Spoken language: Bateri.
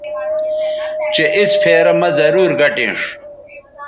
چہء اِس پھیرہ مہ ضرور گٹینݜ